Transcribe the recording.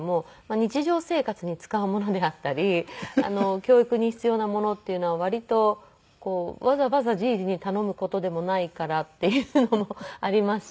日常生活に使うものであったり教育に必要なものっていうのは割とわざわざじぃじに頼む事でもないからっていうのもありますし。